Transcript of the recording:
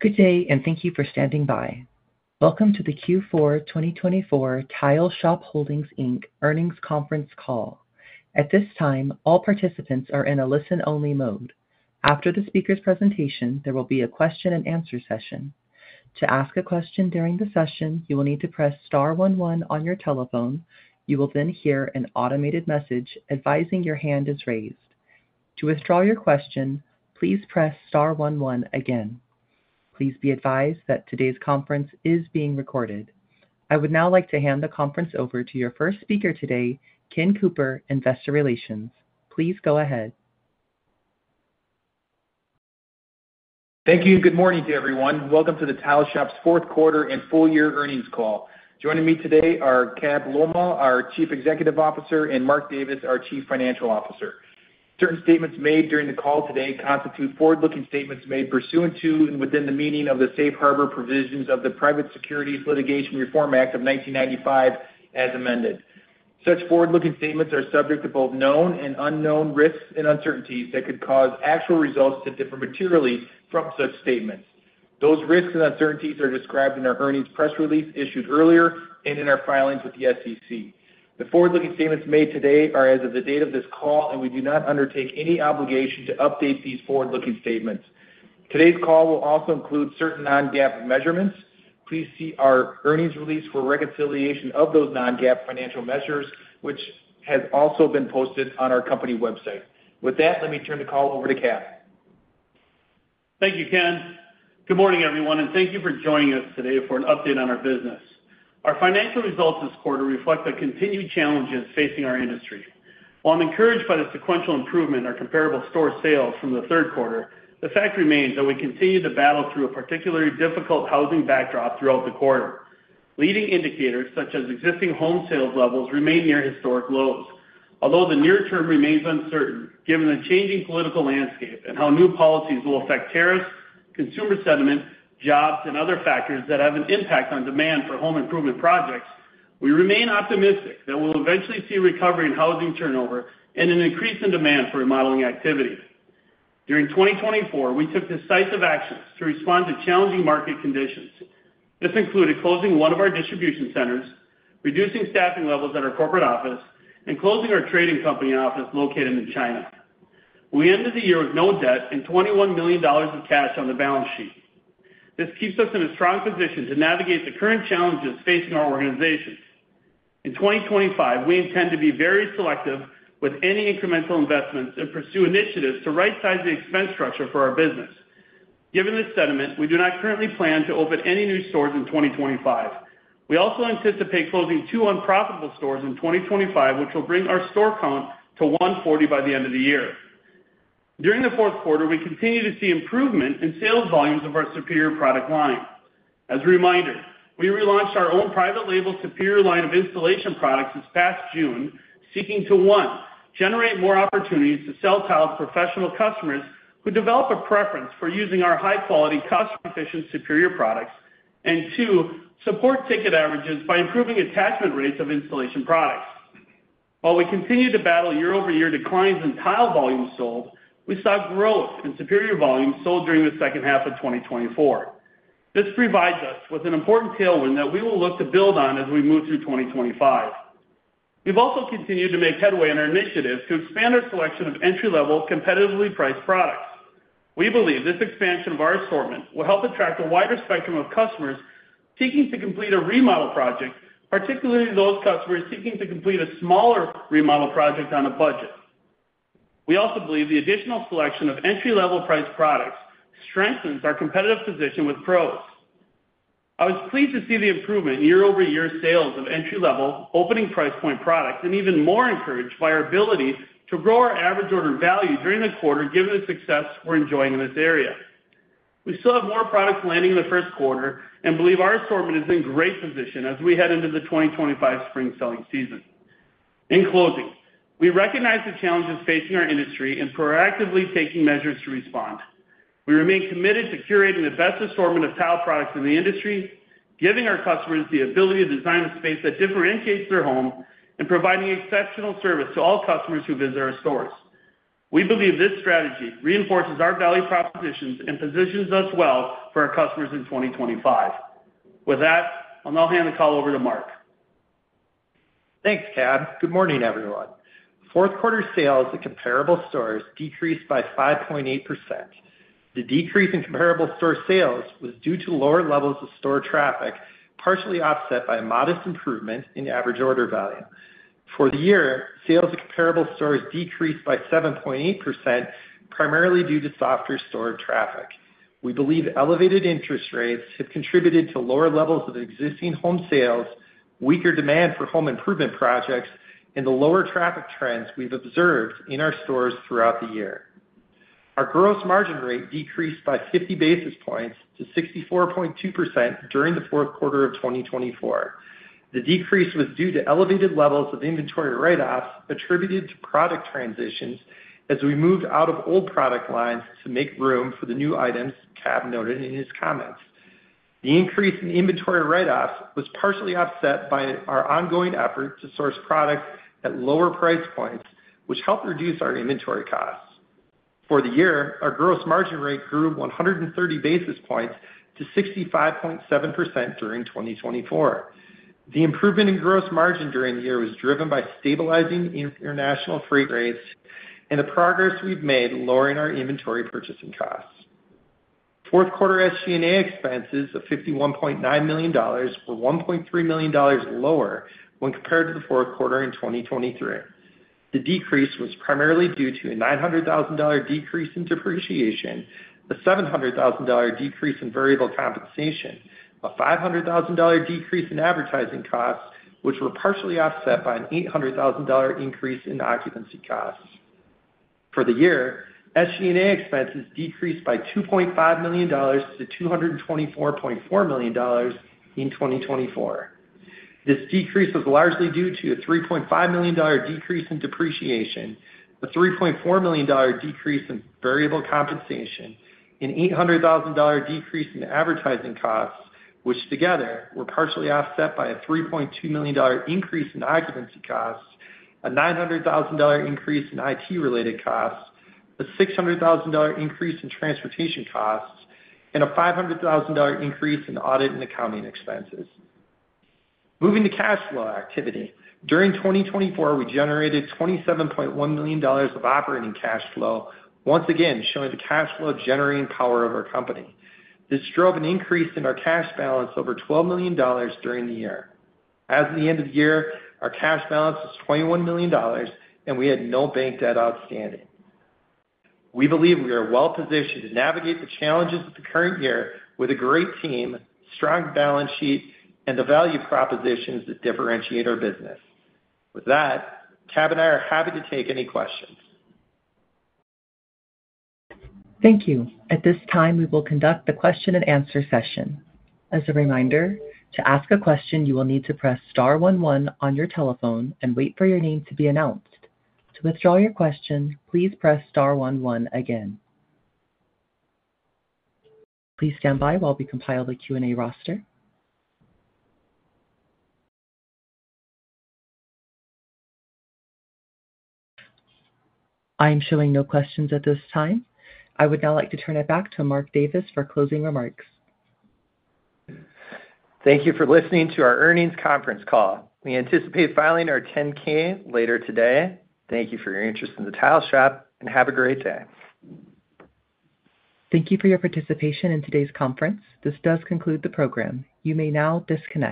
Good day, and thank you for standing by. Welcome to the Q4 2024 Tile Shop Holdings, Inc. earnings conference call. At this time, all participants are in a listen-only mode. After the speaker's presentation, there will be a question-and-answer session. To ask a question during the session, you will need to press star one one on your telephone. You will then hear an automated message advising your hand is raised. To withdraw your question, please press star one one again. Please be advised that today's conference is being recorded. I would now like to hand the conference over to your first speaker today, Ken Cooper, Investor Relations. Please go ahead. Thank you, and good morning to everyone. Welcome to the Tile Shop's fourth quarter and full-year earnings call. Joining me today are Cabell Lolmaugh, our Chief Executive Officer, and Mark Davis, our Chief Financial Officer. Certain statements made during the call today constitute forward-looking statements made pursuant to and within the meaning of the safe harbor provisions of the Private Securities Litigation Reform Act of 1995, as amended. Such forward-looking statements are subject to both known and unknown risks and uncertainties that could cause actual results to differ materially from such statements. Those risks and uncertainties are described in our earnings press release issued earlier and in our filings with the SEC. The forward-looking statements made today are as of the date of this call, and we do not undertake any obligation to update these forward-looking statements. Today's call will also include certain non-GAAP measurements. Please see our earnings release for reconciliation of those non-GAAP financial measures, which has also been posted on our company website. With that, let me turn the call over to Cab. Thank you, Ken. Good morning, everyone, and thank you for joining us today for an update on our business. Our financial results this quarter reflect the continued challenges facing our industry. While I'm encouraged by the sequential improvement in our comparable store sales from the third quarter, the fact remains that we continue to battle through a particularly difficult housing backdrop throughout the quarter. Leading indicators such as existing home sales levels remain near historic lows. Although the near term remains uncertain, given the changing political landscape and how new policies will affect tariffs, consumer sentiment, jobs, and other factors that have an impact on demand for home improvement projects, we remain optimistic that we'll eventually see recovery in housing turnover and an increase in demand for remodeling activity. During 2024, we took decisive actions to respond to challenging market conditions. This included closing one of our distribution centers, reducing staffing levels at our corporate office, and closing our trading company office located in China. We ended the year with no debt and $21 million of cash on the balance sheet. This keeps us in a strong position to navigate the current challenges facing our organization. In 2025, we intend to be very selective with any incremental investments and pursue initiatives to right-size the expense structure for our business. Given this sentiment, we do not currently plan to open any new stores in 2025. We also anticipate closing two unprofitable stores in 2025, which will bring our store count to 140 by the end of the year. During the fourth quarter, we continue to see improvement in sales volumes of our Superior product line. As a reminder, we relaunched our own private-label Superior product line of installation products this past June, seeking to, one, generate more opportunities to sell tiles to professional customers who develop a preference for using our high-quality, cost-efficient Superior products, and, two, support ticket averages by improving attachment rates of installation products. While we continue to battle year-over-year declines in tile volumes sold, we saw growth in Superior volumes sold during the second half of 2024. This provides us with an important tailwind that we will look to build on as we move through 2025. We've also continued to make headway in our initiatives to expand our selection of entry-level, competitively priced products. We believe this expansion of our assortment will help attract a wider spectrum of customers seeking to complete a remodel project, particularly those customers seeking to complete a smaller remodel project on a budget. We also believe the additional selection of entry-level priced products strengthens our competitive position with pros. I was pleased to see the improvement in year-over-year sales of entry-level, opening price point products, and even more encouraged by our ability to grow our average order value during the quarter given the success we're enjoying in this area. We still have more products landing in the first quarter and believe our assortment is in great position as we head into the 2025 spring selling season. In closing, we recognize the challenges facing our industry and proactively take measures to respond. We remain committed to curating the best assortment of tile products in the industry, giving our customers the ability to design a space that differentiates their home, and providing exceptional service to all customers who visit our stores. We believe this strategy reinforces our value propositions and positions us well for our customers in 2025. With that, I'll now hand the call over to Mark. Thanks, Cab. Good morning, everyone. Fourth quarter sales at comparable stores decreased by 5.8%. The decrease in comparable store sales was due to lower levels of store traffic, partially offset by a modest improvement in average order value. For the year, sales at comparable stores decreased by 7.8%, primarily due to softer store traffic. We believe elevated interest rates have contributed to lower levels of existing home sales, weaker demand for home improvement projects, and the lower traffic trends we've observed in our stores throughout the year. Our gross margin rate decreased by 50 basis points to 64.2% during the fourth quarter of 2024. The decrease was due to elevated levels of inventory write-offs attributed to product transitions as we moved out of old product lines to make room for the new items Cab noted in his comments. The increase in inventory write-offs was partially offset by our ongoing effort to source products at lower price points, which helped reduce our inventory costs. For the year, our gross margin rate grew 130 basis points to 65.7% during 2024. The improvement in gross margin during the year was driven by stabilizing international freight rates and the progress we've made lowering our inventory purchasing costs. Fourth quarter SG&A expenses of $51.9 million were $1.3 million lower when compared to the fourth quarter in 2023. The decrease was primarily due to a $900,000 decrease in depreciation, a $700,000 decrease in variable compensation, a $500,000 decrease in advertising costs, which were partially offset by an $800,000 increase in occupancy costs. For the year, SG&A expenses decreased by $2.5 million to $224.4 million in 2024. This decrease was largely due to a $3.5 million decrease in depreciation, a $3.4 million decrease in variable compensation, an $800,000 decrease in advertising costs, which together were partially offset by a $3.2 million increase in occupancy costs, a $900,000 increase in IT-related costs, a $600,000 increase in transportation costs, and a $500,000 increase in audit and accounting expenses. Moving to cash flow activity. During 2024, we generated $27.1 million of operating cash flow, once again showing the cash flow generating power of our company. This drove an increase in our cash balance over $12 million during the year. As of the end of the year, our cash balance was $21 million, and we had no bank debt outstanding. We believe we are well-positioned to navigate the challenges of the current year with a great team, strong balance sheet, and the value propositions that differentiate our business. With that, Cab and I are happy to take any questions. Thank you. At this time, we will conduct the question-and-answer session. As a reminder, to ask a question, you will need to press star one one on your telephone and wait for your name to be announced. To withdraw your question, please press star one one again. Please stand by while we compile the Q&A roster. I am showing no questions at this time. I would now like to turn it back to Mark Davis for closing remarks. Thank you for listening to our earnings conference call. We anticipate filing our 10-K later today. Thank you for your interest in the Tile Shop, and have a great day. Thank you for your participation in today's conference. This does conclude the program. You may now disconnect.